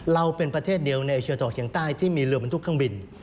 เราเป็นประเทศเดียวในเอเชียร์ศัตรูของเฉียงใต้ที่มีเรือบรรทุกข้างบิน